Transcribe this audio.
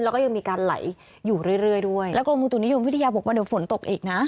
แล้วก็ยังมีการไหลอยู่เรื่อยเรื่อยด้วยแล้วกรมอุตุนิยมวิทยาบอกว่าเดี๋ยวฝนตกอีกนะ